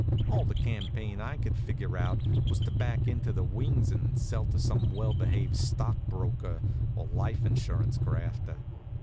All the campaign I could figure out was to back into the wings and sell to some well behaved stock broker or life insurance grafter.